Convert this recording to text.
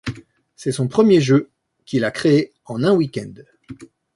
C'est son premier jeu, qu'il a créé en un week-end.